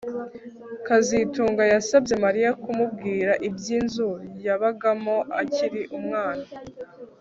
kazitunga yasabye Mariya kumubwira ibyinzu yabagamo akiri umwana